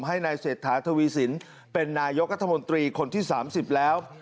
ให้นายเศรษฐาทวีสินเป็นนายกรัฐมนตรีคนที่๓๐แล้ว